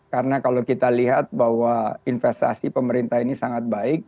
karena kalau kita lihat bahwa investasi pemerintah ini sangat baik